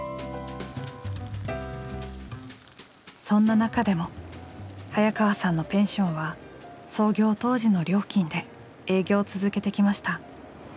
そんな中でも早川さんのペンションは創業当時の料金で営業を続けてきました。